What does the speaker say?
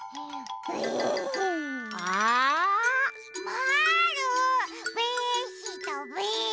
まぁるべしたべ。